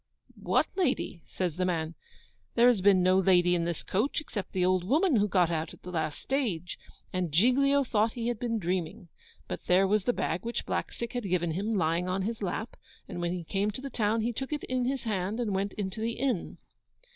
'What lady?' says the man; 'there has been no lady in this coach, except the old woman, who got out at the last stage.' And Giglio thought he had been dreaming. But there was the bag which Blackstick had given him lying on his lap; and when he came to the town he took it in his hand and went into the inn.